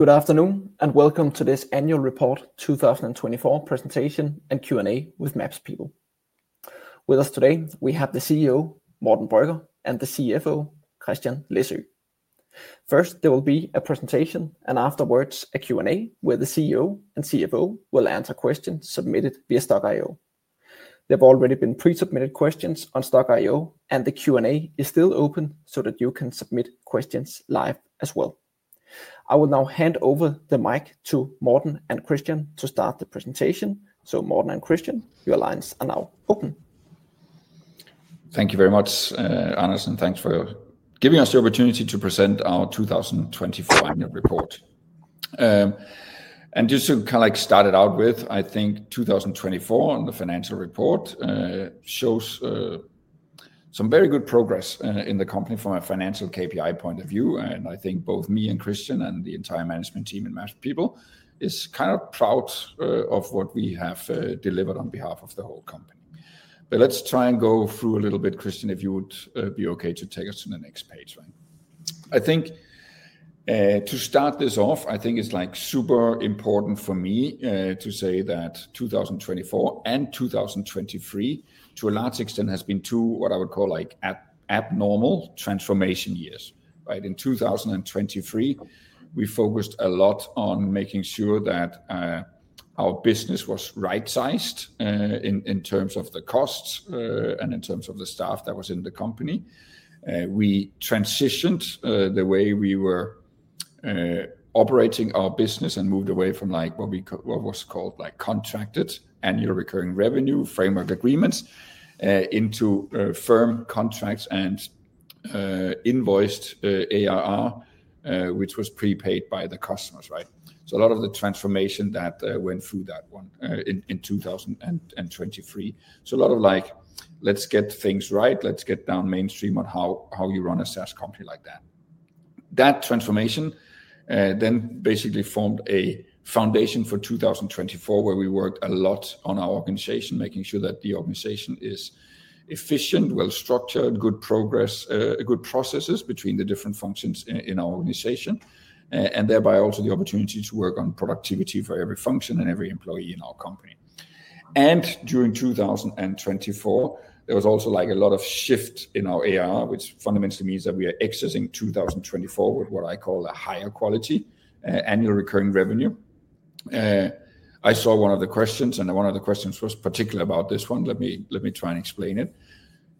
Good afternoon, and welcome to this Annual Report 2024 presentation and Q&A with MapsPeople. With us today, we have the CEO, Morten Brøgger, and the CFO, Christian Læsø. First, there will be a presentation, and afterwards a Q&A where the CEO and CFO will answer questions submitted via Stokk.io. There have already been pre-submitted questions on Stokk.io, and the Q&A is still open so that you can submit questions live as well. I will now hand over the mic to Morten and Christian to start the presentation. Morten and Christian, your lines are now open. Thank you very much, Anas, and thanks for giving us the opportunity to present our 2024 annual report. Just to kind of like start it out with, I think 2024 and the financial report shows some very good progress in the company from a financial KPI point of view. I think both me and Christian and the entire management team at MapsPeople are kind of proud of what we have delivered on behalf of the whole company. Let's try and go through a little bit, Christian, if you would be okay to take us to the next page. I think to start this off, I think it's like super important for me to say that 2024 and 2023, to a large extent, have been two what I would call like abnormal transformation years. In 2023, we focused a lot on making sure that our business was right-sized in terms of the costs and in terms of the staff that was in the company. We transitioned the way we were operating our business and moved away from what was called contracted annual recurring revenue framework agreements into firm contracts and invoiced ARR, which was prepaid by the customers. A lot of the transformation went through that one in 2023. A lot of like, let's get things right, let's get down mainstream on how you run a SaaS company like that. That transformation then basically formed a foundation for 2024, where we worked a lot on our organization, making sure that the organization is efficient, well-structured, good progress, good processes between the different functions in our organization, and thereby also the opportunity to work on productivity for every function and every employee in our company. During 2024, there was also like a lot of shift in our ARR, which fundamentally means that we are exercising 2024 with what I call a higher quality annual recurring revenue. I saw one of the questions, and one of the questions was particular about this one. Let me try and explain it.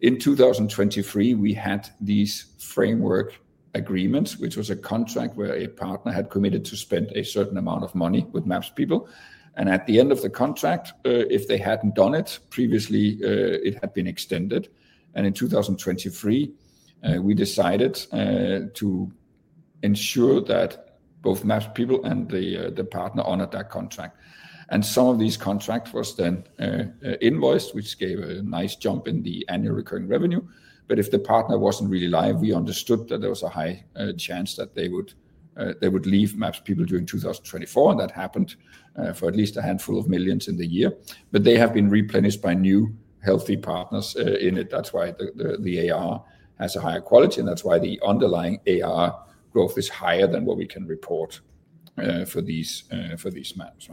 In 2023, we had these framework agreements, which was a contract where a partner had committed to spend a certain amount of money with MapsPeople. At the end of the contract, if they had not done it previously, it had been extended. In 2023, we decided to ensure that both MapsPeople and the partner honored that contract. Some of these contracts were then invoiced, which gave a nice jump in the annual recurring revenue. If the partner was not really live, we understood that there was a high chance that they would leave MapsPeople during 2024. That happened for at least a handful of millions in the year. They have been replenished by new healthy partners in it. That is why the ARR has a higher quality, and that is why the underlying ARR growth is higher than what we can report for these maps.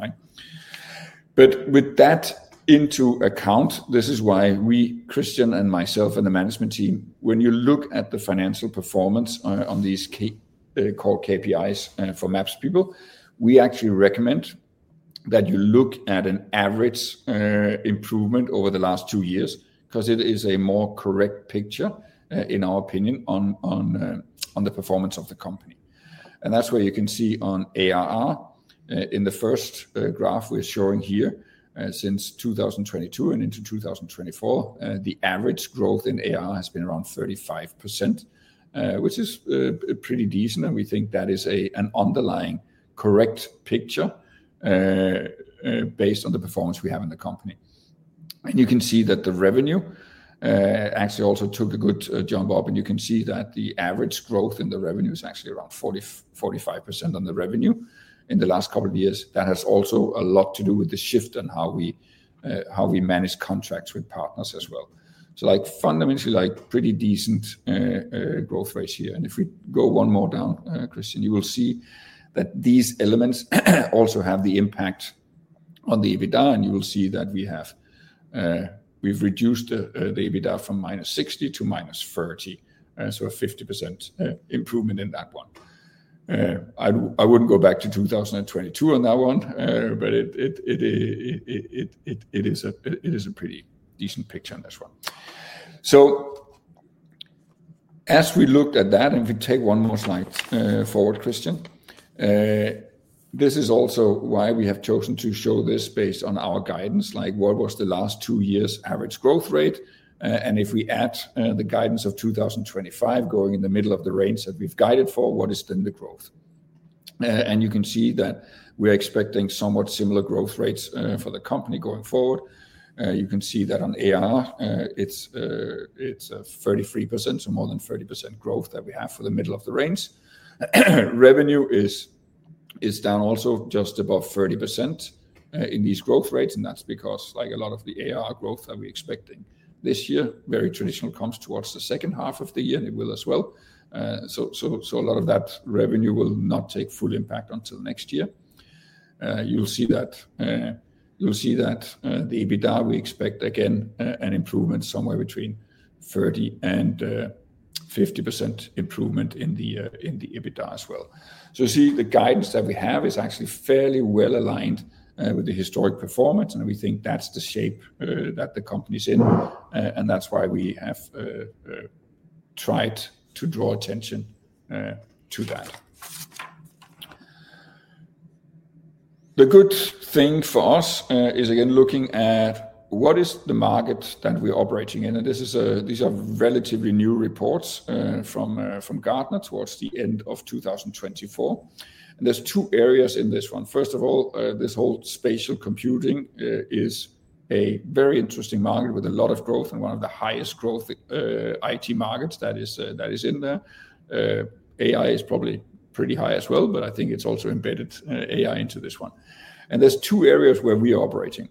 With that into account, this is why we, Christian and myself and the management team, when you look at the financial performance on these called KPIs for MapsPeople, we actually recommend that you look at an average improvement over the last two years because it is a more correct picture, in our opinion, on the performance of the company. That is where you can see on ARR. In the first graph we are showing here, since 2022 and into 2024, the average growth in ARR has been around 35%, which is pretty decent. We think that is an underlying correct picture based on the performance we have in the company. You can see that the revenue actually also took a good jump up. You can see that the average growth in the revenue is actually around 45% on the revenue in the last couple of years. That has also a lot to do with the shift on how we manage contracts with partners as well. Like fundamentally, like pretty decent growth rates here. If we go one more down, Christian, you will see that these elements also have the impact on the EBITDA. You will see that we've reduced the EBITDA from -60 million to -30 million, so a 50% improvement in that one. I wouldn't go back to 2022 on that one, but it is a pretty decent picture on this one. As we looked at that, and if we take one more slide forward, Christian, this is also why we have chosen to show this based on our guidance, like what was the last two years' average growth rate. If we add the guidance of 2025 going in the middle of the range that we've guided for, what is then the growth? You can see that we're expecting somewhat similar growth rates for the company going forward. You can see that on ARR, it's a 33%, so more than 30% growth that we have for the middle of the range. Revenue is down also just above 30% in these growth rates. That's because like a lot of the ARR growth that we're expecting this year, very traditional, comes towards the second half of the year, and it will as well. A lot of that revenue will not take full impact until next year. You'll see that the EBITDA, we expect again an improvement somewhere between 30% and 50% improvement in the EBITDA as well. You see the guidance that we have is actually fairly well aligned with the historic performance. We think that's the shape that the company's in. That's why we have tried to draw attention to that. The good thing for us is again looking at what is the market that we're operating in. These are relatively new reports from Gartner towards the end of 2024. There are two areas in this one. First of all, this whole spatial computing is a very interesting market with a lot of growth and one of the highest growth IT markets that is in there. AI is probably pretty high as well, but I think it's also embedded AI into this one. There are two areas where we are operating.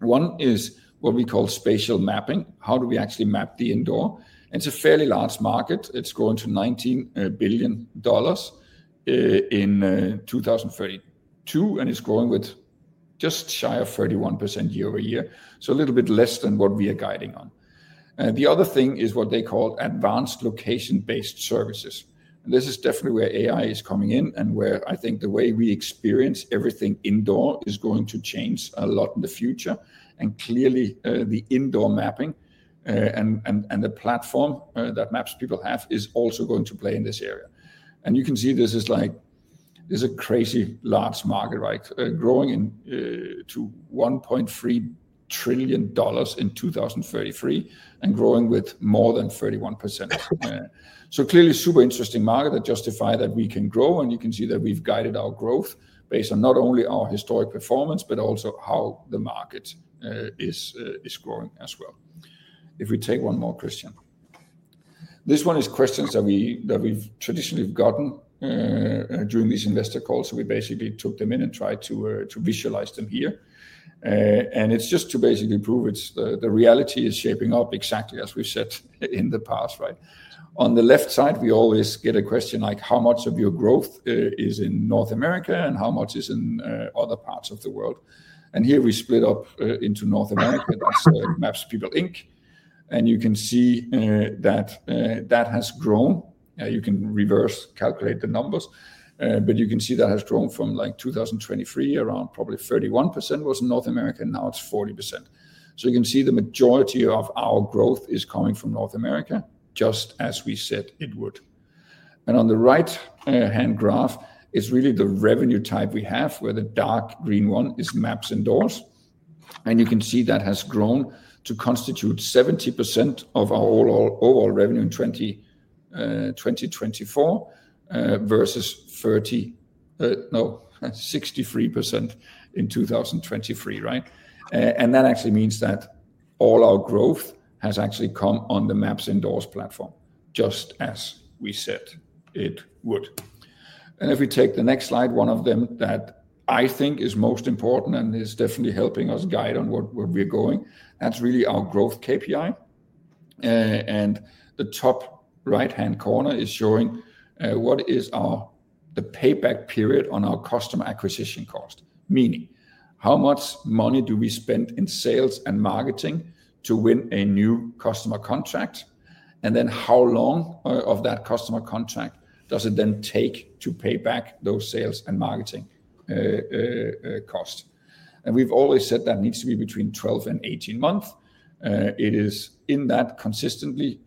One is what we call spatial mapping. How do we actually map the indoor? It's a fairly large market. It's grown to $19 billion in 2032, and it's grown with just shy of 31% year-over-year, a little bit less than what we are guiding on. The other thing is what they call advanced location-based services. This is definitely where AI is coming in and where I think the way we experience everything indoor is going to change a lot in the future. Clearly, the indoor mapping and the platform that MapsPeople have is also going to play in this area. You can see this is like a crazy large market, right? Growing to $1.3 trillion in 2033 and growing with more than 31%. Clearly, super interesting market that justifies that we can grow. You can see that we've guided our growth based on not only our historic performance, but also how the market is growing as well. If we take one more, Christian. This one is questions that we've traditionally gotten during these investor calls. We basically took them in and tried to visualize them here. It is just to basically prove the reality is shaping up exactly as we've said in the past, right? On the left side, we always get a question like how much of your growth is in North America and how much is in other parts of the world. Here we split up into North America. That is MapsPeople. You can see that that has grown. You can reverse calculate the numbers, but you can see that has grown from 2023, around probably 31% was in North America, and now it is 40%. You can see the majority of our growth is coming from North America, just as we said it would. On the right-hand graph, it's really the revenue type we have, where the dark green one is MapsIndoors. You can see that has grown to constitute 70% of our overall revenue in 2024 versus 63% in 2023, right? That actually means that all our growth has actually come on the MapsIndoors platform, just as we said it would. If we take the next slide, one of them that I think is most important and is definitely helping us guide on what we're going, that's really our growth KPI. The top right-hand corner is showing what is the payback period on our customer acquisition cost, meaning how much money do we spend in sales and marketing to win a new customer contract? Then how long of that customer contract does it then take to pay back those sales and marketing costs? We have always said that needs to be between 12 and 18 months. It is in that consistently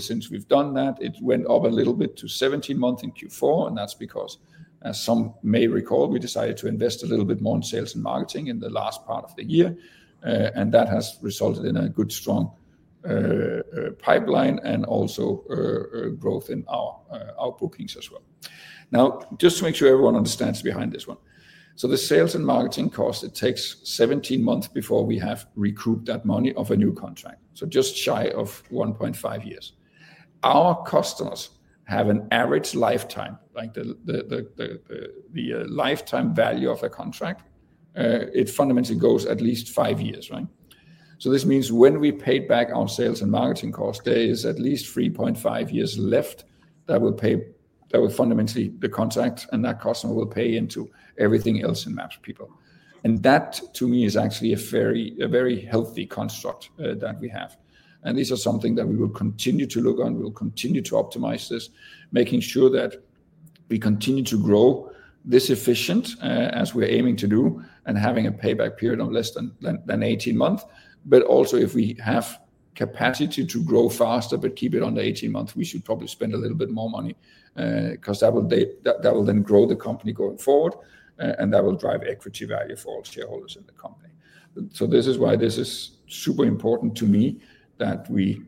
since we have done that. It went up a little bit to 17 months in Q4. That is because, as some may recall, we decided to invest a little bit more in sales and marketing in the last part of the year. That has resulted in a good, strong pipeline and also growth in our bookings as well. Now, just to make sure everyone understands behind this one. The sales and marketing cost, it takes 17 months before we have recouped that money of a new contract, so just shy of 1.5 years. Our customers have an average lifetime, like the lifetime value of a contract. It fundamentally goes at least five years, right? This means when we pay back our sales and marketing costs, there is at least 3.5 years left that will fundamentally the contract and that customer will pay into everything else in MapsPeople. That, to me, is actually a very healthy construct that we have. These are something that we will continue to look on. We will continue to optimize this, making sure that we continue to grow this efficient as we're aiming to do and having a payback period of less than 18 months. Also, if we have capacity to grow faster, but keep it under 18 months, we should probably spend a little bit more money because that will then grow the company going forward, and that will drive equity value for all shareholders in the company. This is why this is super important to me that we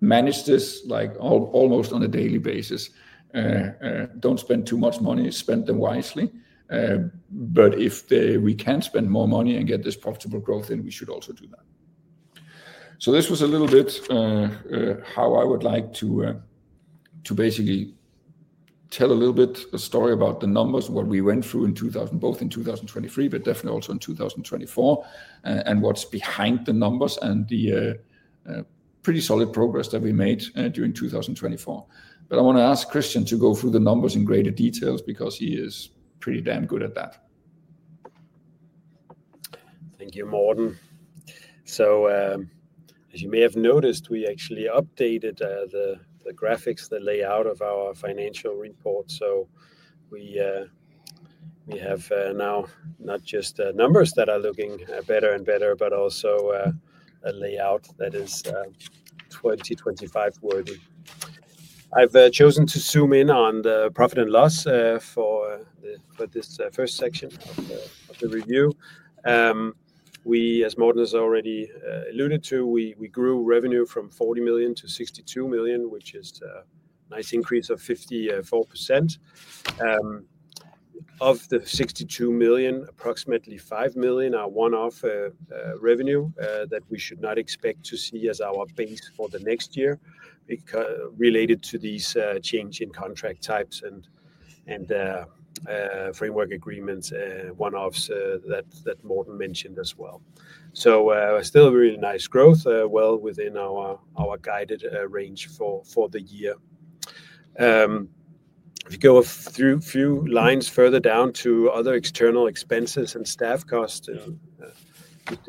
manage this like almost on a daily basis. Do not spend too much money. Spend them wisely. If we can spend more money and get this profitable growth, then we should also do that. This was a little bit how I would like to basically tell a little bit of story about the numbers, what we went through in both in 2023, but definitely also in 2024, and what is behind the numbers and the pretty solid progress that we made during 2024. I want to ask Christian to go through the numbers in greater details because he is pretty damn good at that. Thank you, Morten. As you may have noticed, we actually updated the graphics, the layout of our financial report. We have now not just numbers that are looking better and better, but also a layout that is 2025-worthy. I have chosen to zoom in on the profit and loss for this first section of the review. We, as Morten has already alluded to, grew revenue from 40 million to 62 million, which is a nice increase of 54%. Of the 62 million, approximately 5 million are one-off revenue that we should not expect to see as our base for the next year related to these change in contract types and framework agreements, one-offs that Morten mentioned as well. Still a really nice growth, well within our guided range for the year. If you go a few lines further down to other external expenses and staff costs,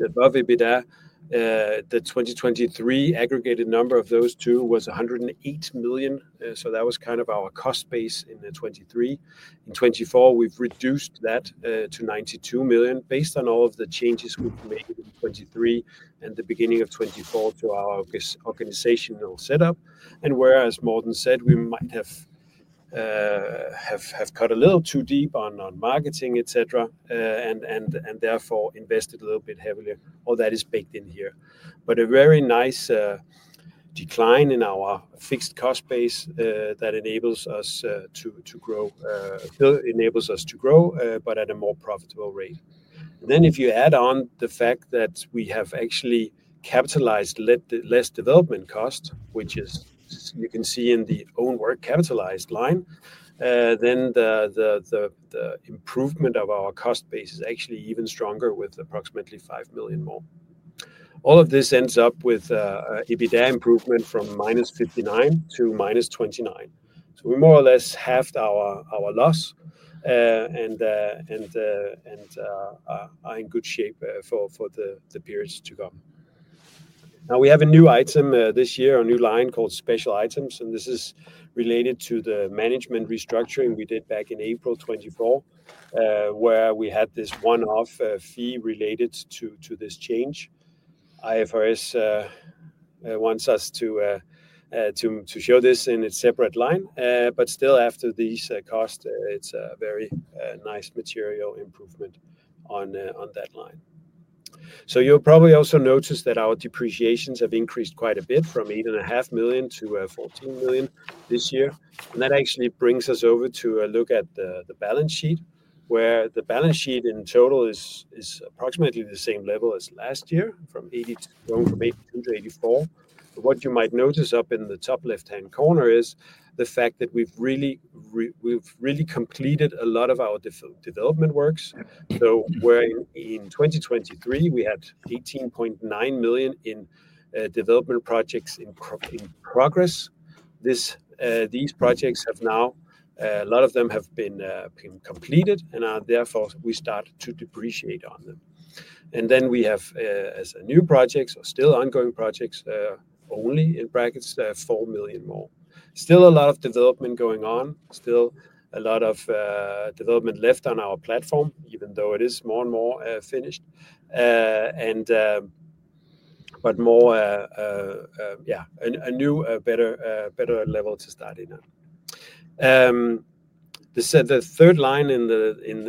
above EBITDA, the 2023 aggregated number of those two was 108 million. That was kind of our cost base in 2023. In 2024, we have reduced that to 92 million based on all of the changes we made in 2023 and the beginning of 2024 to our organizational setup. Whereas, as Morten said, we might have cut a little too deep on marketing, etc., and therefore invested a little bit heavily. All that is baked in here. A very nice decline in our fixed cost base enables us to grow, enables us to grow, but at a more profitable rate. If you add on the fact that we have actually capitalized less development cost, which you can see in the own work capitalized line, the improvement of our cost base is actually even stronger with approximately 5 million more. All of this ends up with EBITDA improvement from -59 million to -29 million. We more or less halved our loss and are in good shape for the periods to come. Now we have a new item this year, a new line called special items. This is related to the management restructuring we did back in April 2024, where we had this one-off fee related to this change. IFRS wants us to show this in a separate line. Still, after these costs, it's a very nice material improvement on that line. You'll probably also notice that our depreciations have increased quite a bit from 8.5 million to 14 million this year. That actually brings us over to look at the balance sheet, where the balance sheet in total is approximately the same level as last year, from 82 million to 84 million. What you might notice up in the top left-hand corner is the fact that we've really completed a lot of our development works. Where in 2023, we had 18.9 million in development projects in progress, these projects have now, a lot of them have been completed and therefore we start to depreciate on them. We have, as new projects or still ongoing projects, only in brackets, 4 million more. Still a lot of development going on, still a lot of development left on our platform, even though it is more and more finished, but more, yeah, a new, better level to start in. The third line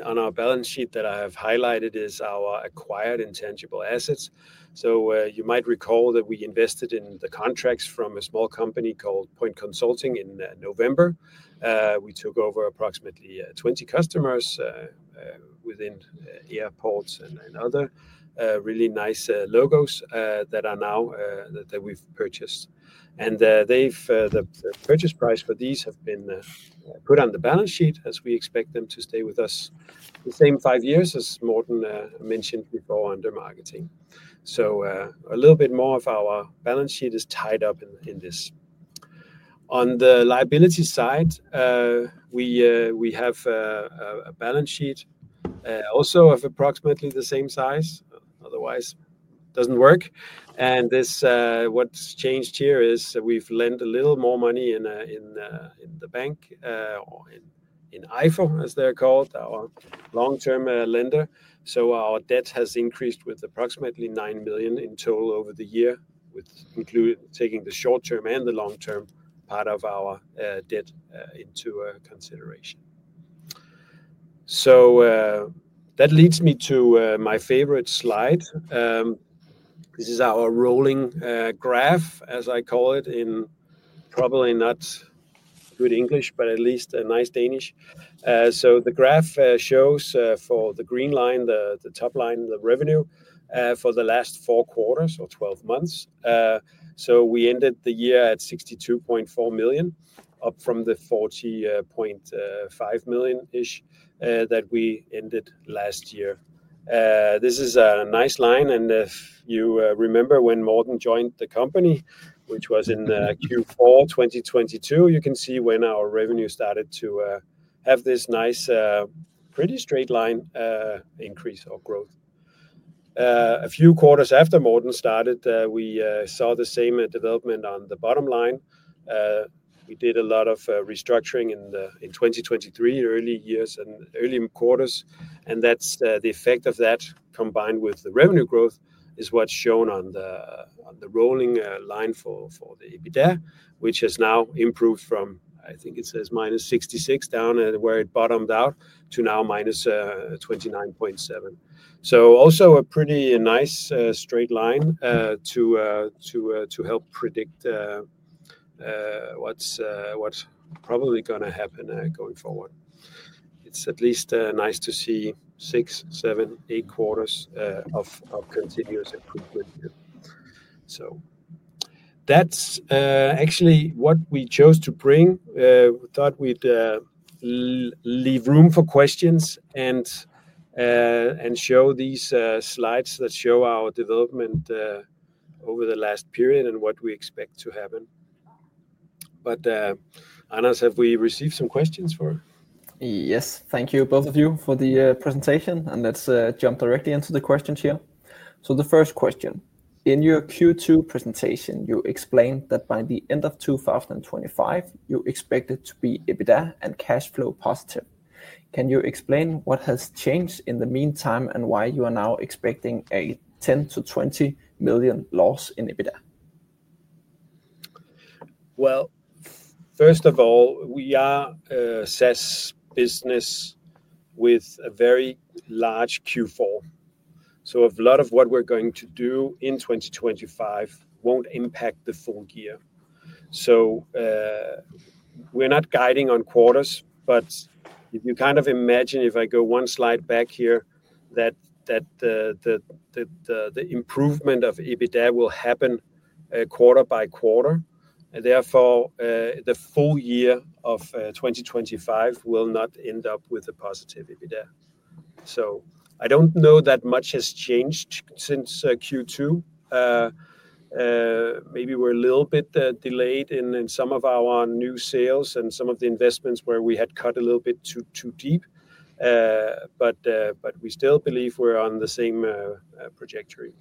on our balance sheet that I have highlighted is our acquired intangible assets. You might recall that we invested in the contracts from a small company called Point Consulting in November. We took over approximately 20 customers within airports and other really nice logos that are now that we've purchased. The purchase price for these has been put on the balance sheet as we expect them to stay with us the same five years as Morten mentioned before under marketing. A little bit more of our balance sheet is tied up in this. On the liability side, we have a balance sheet also of approximately the same size. Otherwise, it does not work. What has changed here is we've lent a little more money in the bank, in EIFO, as they're called, our long-term lender. Our debt has increased with approximately 9 million in total over the year, including taking the short-term and the long-term part of our debt into consideration. That leads me to my favorite slide. This is our rolling graph, as I call it, in probably not good English, but at least a nice Danish. The graph shows for the green line, the top line, the revenue for the last four quarters or 12 months. We ended the year at 62.4 million, up from the 40.5 million-ish that we ended last year. This is a nice line. If you remember when Morten joined the company, which was in Q4 2022, you can see when our revenue started to have this nice, pretty straight line increase or growth. A few quarters after Morten started, we saw the same development on the bottom line. We did a lot of restructuring in 2023, early years and early quarters. That's the effect of that combined with the revenue growth, which is what's shown on the rolling line for the EBITDA, which has now improved from, I think it says -66 million down where it bottomed out to now -29.7 million. Also a pretty nice straight line to help predict what's probably going to happen going forward. It's at least nice to see six, seven, eight quarters of continuous improvement here. That's actually what we chose to bring. We thought we'd leave room for questions and show these slides that show our development over the last period and what we expect to happen. Anas, have we received some questions for? Yes. Thank you, both of you, for the presentation. Let's jump directly into the questions here. The first question. In your Q2 presentation, you explained that by the end of 2025, you expected to be EBITDA and cash flow positive. Can you explain what has changed in the meantime and why you are now expecting a 10-20 million loss in EBITDA? First of all, we are a SaaS business with a very large Q4. A lot of what we're going to do in 2025 won't impact the full year. We're not guiding on quarters, but if you kind of imagine, if I go one slide back here, that the improvement of EBITDA will happen quarter by quarter. Therefore, the full year of 2025 will not end up with a positive EBITDA. I don't know that much has changed since Q2. Maybe we're a little bit delayed in some of our new sales and some of the investments where we had cut a little bit too deep. We still believe we're on the same trajectory.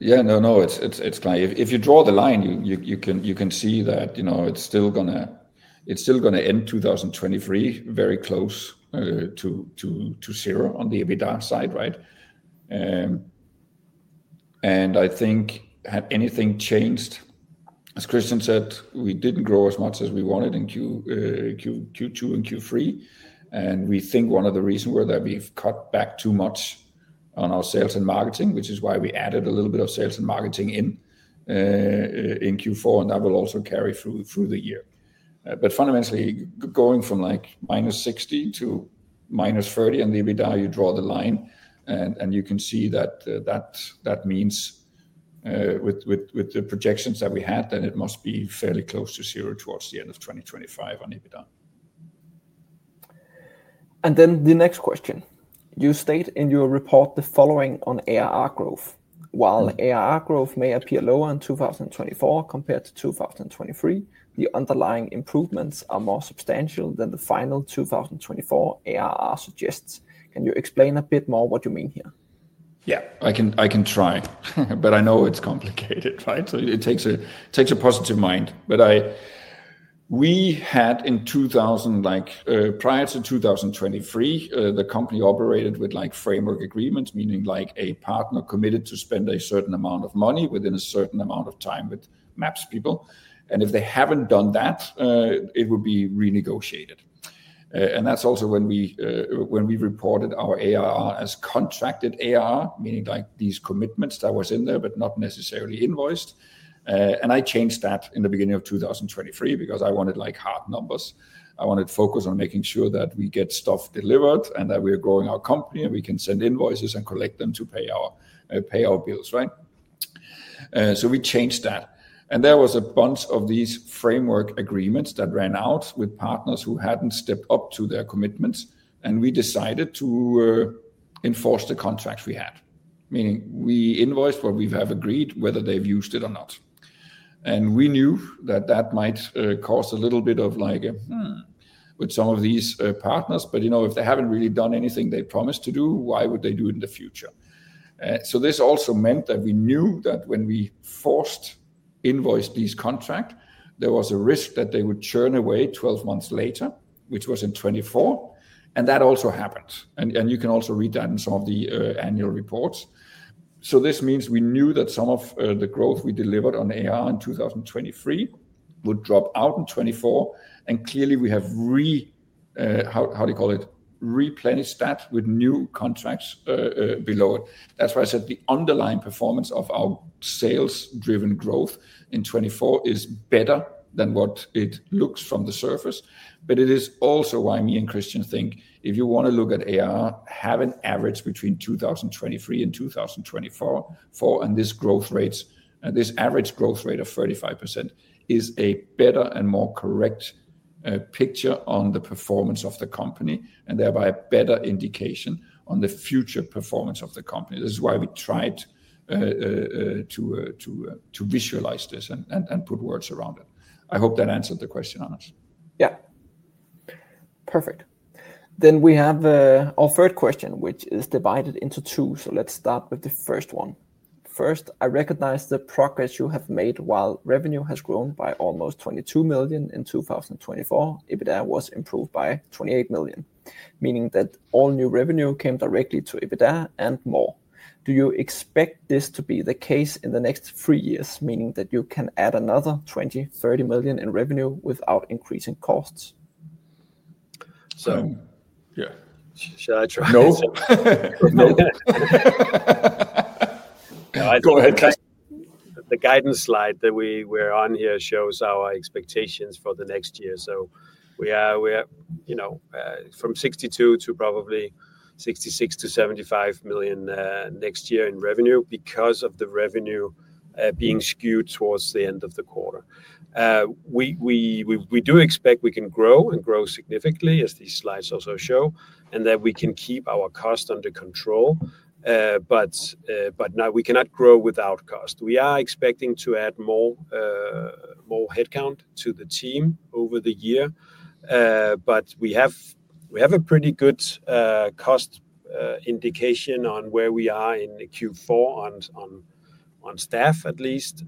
Yeah, no, no, it's clear. If you draw the line, you can see that it's still going to end 2023 very close to zero on the EBITDA side, right? I think had anything changed, as Christian said, we didn't grow as much as we wanted in Q2 and Q3. We think one of the reasons was that we've cut back too much on our sales and marketing, which is why we added a little bit of sales and marketing in Q4, and that will also carry through the year. Fundamentally, going from -60 million to -30 million on the EBITDA, you draw the line, and you can see that that means with the projections that we had, that it must be fairly close to zero towards the end of 2025 on EBITDA. The next question. You state in your report the following on ARR growth. While ARR growth may appear lower in 2024 compared to 2023, the underlying improvements are more substantial than the final 2024 ARR suggests. Can you explain a bit more what you mean here? Yeah, I can try, but I know it's complicated, right? It takes a positive mind. We had in 2000, prior to 2023, the company operated with framework agreements, meaning a partner committed to spend a certain amount of money within a certain amount of time with MapsPeople. If they have not done that, it would be renegotiated. That is also when we reported our ARR as contracted ARR, meaning these commitments that were in there, but not necessarily invoiced. I changed that in the beginning of 2023 because I wanted hard numbers. I wanted focus on making sure that we get stuff delivered and that we are growing our company and we can send invoices and collect them to pay our bills, right? We changed that. There was a bunch of these framework agreements that ran out with partners who had not stepped up to their commitments. We decided to enforce the contracts we had, meaning we invoiced what we have agreed, whether they have used it or not. We knew that that might cause a little bit of with some of these partners, but if they have not really done anything they promised to do, why would they do it in the future? This also meant that we knew that when we forced invoice these contracts, there was a risk that they would churn away 12 months later, which was in 2024. That also happened. You can also read that in some of the annual reports. This means we knew that some of the growth we delivered on ARR in 2023 would drop out in 2024. Clearly, we have, how do you call it, replenished that with new contracts below it. That is why I said the underlying performance of our sales-driven growth in 2024 is better than what it looks from the surface. It is also why me and Christian think if you want to look at ARR, have an average between 2023 and 2024, and this growth rate, this average growth rate of 35% is a better and more correct picture on the performance of the company and thereby a better indication on the future performance of the company. This is why we tried to visualize this and put words around it. I hope that answered the question, Anas. Yeah. Perfect. We have our third question, which is divided into two. Let's start with the first one. First, I recognize the progress you have made while revenue has grown by almost 22 million in 2024, EBITDA was improved by 28 million, meaning that all new revenue came directly to EBITDA and more. Do you expect this to be the case in the next three years, meaning that you can add another 20-30 million in revenue without increasing costs? Yeah. Should I try? No. Go ahead, Chris. The guidance slide that we're on here shows our expectations for the next year. We are from 62 million to probably 66 million-75 million next year in revenue because of the revenue being skewed towards the end of the quarter. We do expect we can grow and grow significantly, as these slides also show, and that we can keep our cost under control. Now we cannot grow without cost. We are expecting to add more headcount to the team over the year. We have a pretty good cost indication on where we are in Q4 on staff, at least.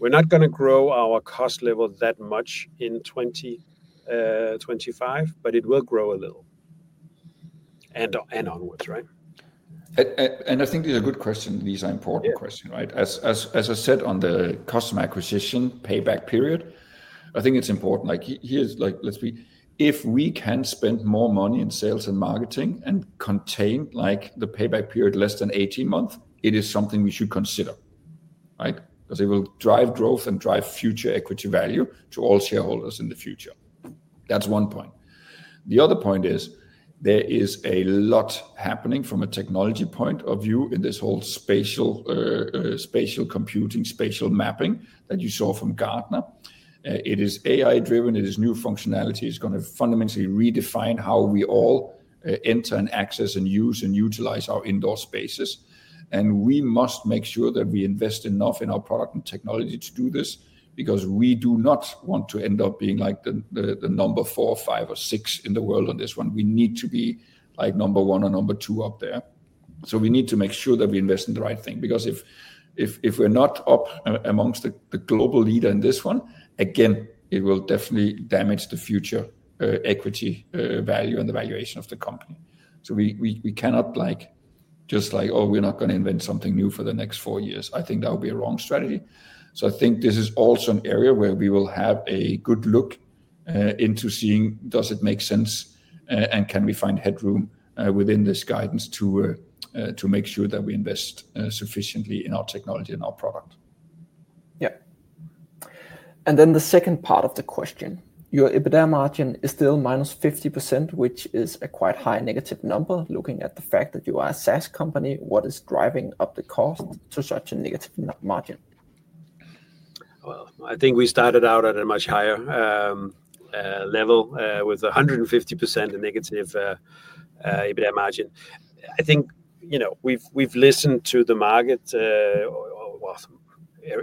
We're not going to grow our cost level that much in 2025, but it will grow a little and onwards, right? I think these are good questions. These are important questions, right? As I said, on the customer acquisition payback period, I think it's important. If we can spend more money in sales and marketing and contain the payback period less than 18 months, it is something we should consider, right? Because it will drive growth and drive future equity value to all shareholders in the future. That's one point. The other point is there is a lot happening from a technology point of view in this whole spatial computing, spatial mapping that you saw from Gartner. It is AI-driven. It is new functionality. It's going to fundamentally redefine how we all enter and access and use and utilize our indoor spaces. We must make sure that we invest enough in our product and technology to do this because we do not want to end up being the number four or five or six in the world on this one. We need to be number one or number two up there. We need to make sure that we invest in the right thing because if we're not up amongst the global leader in this one, again, it will definitely damage the future equity value and the valuation of the company. We cannot just like, "Oh, we're not going to invent something new for the next four years." I think that would be a wrong strategy. I think this is also an area where we will have a good look into seeing, does it make sense and can we find headroom within this guidance to make sure that we invest sufficiently in our technology and our product. Yeah. The second part of the question, your EBITDA margin is still -50%, which is a quite high negative number. Looking at the fact that you are a SaaS company, what is driving up the cost to such a negative margin? I think we started out at a much higher level with -150% EBITDA margin. I think we've listened to the market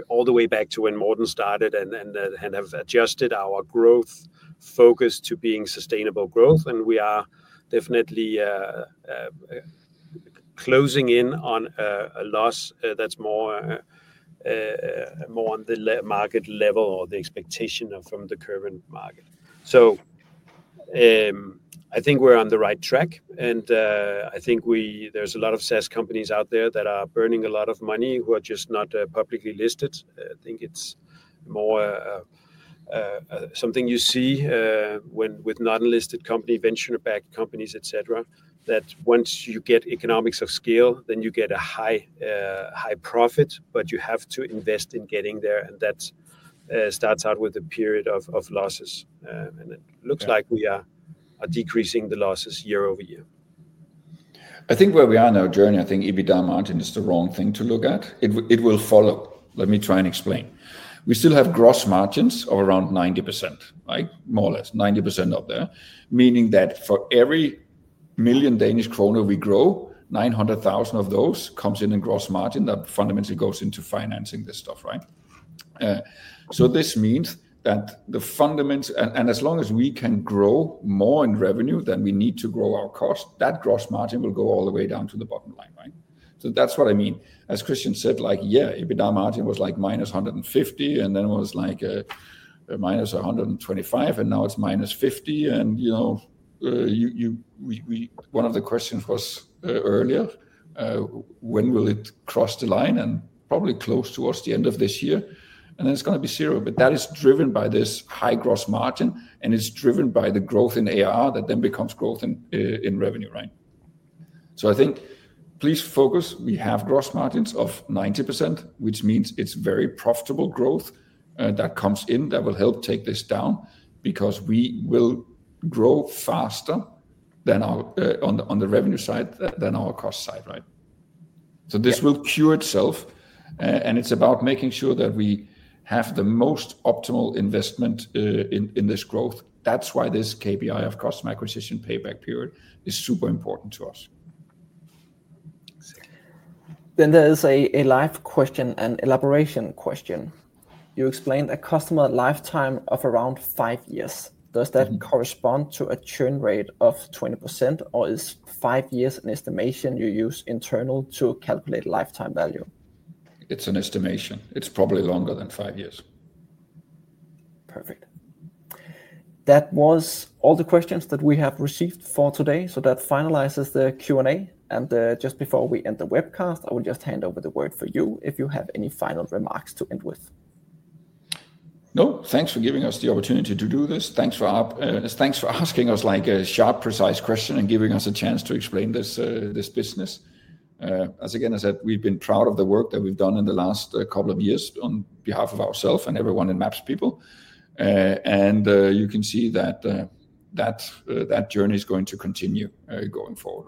all the way back to when Morten started and have adjusted our growth focus to being sustainable growth. We are definitely closing in on a loss that's more on the market level or the expectation from the current market. I think we're on the right track. I think there's a lot of SaaS companies out there that are burning a lot of money who are just not publicly listed. I think it's more something you see with non-listed companies, venture-backed companies, etc., that once you get economics of scale, then you get a high profit, but you have to invest in getting there. That starts out with a period of losses. It looks like we are decreasing the losses year-over-year. I think where we are now, Jørn, I think EBITDA margin is the wrong thing to look at. It will follow. Let me try and explain. We still have gross margins of around 90%, more or less 90% up there, meaning that for every million Danish kroner we grow, 900,000 of those comes in in gross margin that fundamentally goes into financing this stuff, right? This means that the fundamentals, and as long as we can grow more in revenue than we need to grow our cost, that gross margin will go all the way down to the bottom line, right? That's what I mean. As Christian said, yeah, EBITDA margin was like -150%, and then it was like -125%, and now it's -50%. One of the questions was earlier, when will it cross the line? Probably close towards the end of this year. Then it's going to be zero. That is driven by this high gross margin, and it's driven by the growth in ARR that then becomes growth in revenue, right? I think please focus. We have gross margins of 90%, which means it's very profitable growth that comes in that will help take this down because we will grow faster on the revenue side than our cost side, right? This will cure itself. It's about making sure that we have the most optimal investment in this growth. That's why this KPI of customer acquisition payback period is super important to us. There is a live question and elaboration question. You explained a customer lifetime of around five years. Does that correspond to a churn rate of 20%, or is five years an estimation you use internal to calculate lifetime value? It's an estimation. It's probably longer than five years. Perfect. That was all the questions that we have received for today. That finalizes the Q&A. Just before we end the webcast, I will just hand over the word for you if you have any final remarks to end with. No, thanks for giving us the opportunity to do this. Thanks for asking us a sharp, precise question and giving us a chance to explain this business. As I said, we've been proud of the work that we've done in the last couple of years on behalf of ourselves and everyone in MapsPeople. You can see that that journey is going to continue going forward.